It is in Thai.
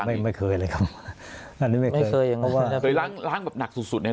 ไม่ไม่เคยเลยครับอันนี้ไม่เคยเคยล้างล้างแบบหนักสุดสุดเนี้ย